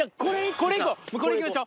これ行きましょう。